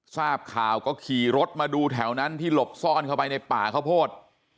ทราบข่าวก็ขี่รถมาดูแถวนั้นที่หลบซ่อนเข้าไปในป่าข้าวโพด